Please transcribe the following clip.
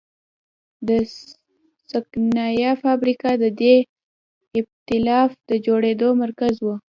د سکانیا فابریکه د دې اېتلاف د جوړېدو مرکز و.